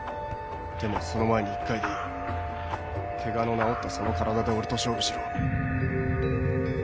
でもその前に１回でいいケガの治ったその体で俺と勝負しろ。